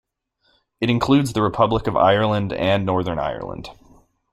It includes the Republic of Ireland and Northern Ireland.